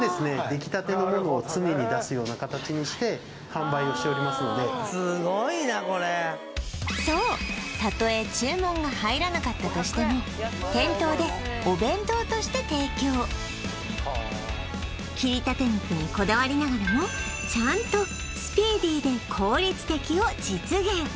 出来たてのものを常に出すような形にして販売をしておりますのですごいなこれそうたとえ注文が入らなかったとしても店頭でお弁当として提供切りたて肉にこだわりながらもちゃんとスピーディーで効率的を実現